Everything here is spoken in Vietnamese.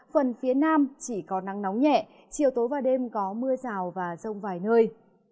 phần phía nam chỉ có nắng nóng nhẹ chiều tối và đêm có mưa rào và rông vài nơi